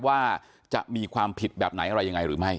ว่าจะมีความผิดแบบไหนอะไรยังไงหรือไม่